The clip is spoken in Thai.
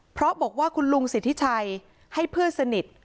เพราะบอกว่าคุณลุงสิทธิชัยให้เพื่อนสนิท